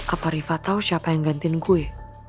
apa riva tau siapa yang gantiin gue